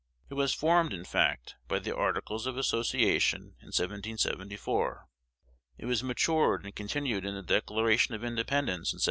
It was formed, in fact, by the Articles of Association in 1774. It was matured and continued in the Declaration of Independence in 1776.